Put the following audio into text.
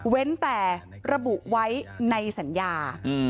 แต่ระบุไว้ในสัญญา